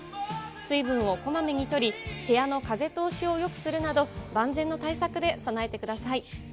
水分をこまめにとり、部屋の風通しをよくするなど、万全の対策で備えてください。